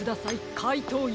かいとうＵ！